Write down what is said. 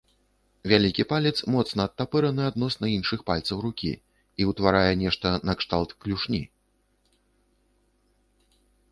Вялікі палец моцна адтапыраны адносна іншых пальцаў рукі і ўтварае нешта накшталт клюшні.